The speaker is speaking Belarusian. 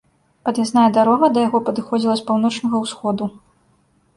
Пад'язная дарога да яго падыходзіла з паўночнага ўсходу.